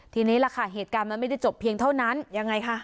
ทีนี้ล่ะค่ะเหตุการณ์มันไม่ได้จบเพียงเท่านั้นยังไงคะ